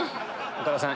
岡田さん